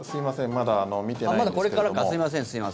まだ見てないんですけど。